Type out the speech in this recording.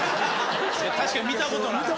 確かに見たことない。